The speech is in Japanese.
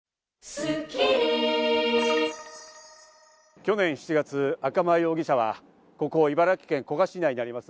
去年７月、赤間容疑者はここ茨城県古河市内にあります